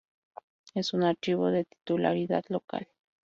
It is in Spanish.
Es un archivo de titularidad local.